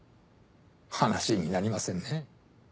話になりませんね。